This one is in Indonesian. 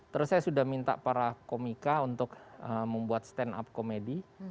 terus saya sudah minta para komika untuk membuat stand up komedi